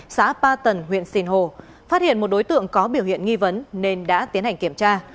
xã ba tần huyện sìn hồ phát hiện một đối tượng có biểu hiện nghi vấn nên đã tiến hành kiểm tra